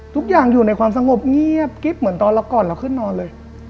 ทุกอย่างอยู่ในความสงบเงียบกิ๊บเหมือนตอนเราก่อนเราขึ้นนอนเลย